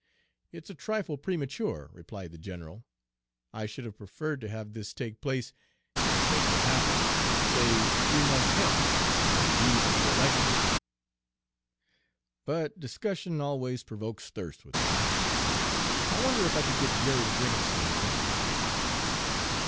"It's a trifle premature," replied the general. "I should have preferred to have this take place, if it was to happen, say three months hence, on the eve of the election, but discussion always provokes thirst with me; I wonder if I could get Jerry to bring us some drinks?"